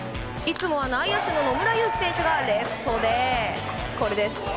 いつもは内野手の野村佑希選手がレフトで、これです。